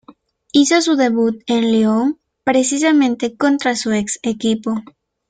Hizo su debut en el Lyon, precisamente contra su ex equipo.